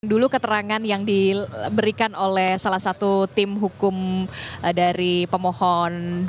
dulu keterangan yang diberikan oleh salah satu tim hukum dari pemohon dua